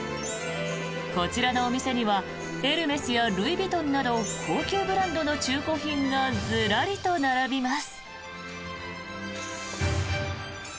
こちらのお店にはエルメスやルイ・ヴィトンなど高級ブランドの中古品がずらりと並びます。